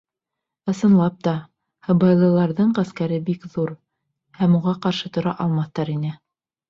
Ысынлап та, һыбайлыларҙың ғәскәре бик ҙур, һәм уға ҡаршы тора алмаҫтар ине.